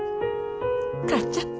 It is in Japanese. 母ちゃん。